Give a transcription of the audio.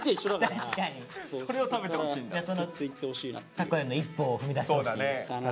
タコへの一歩を踏み出してほしい。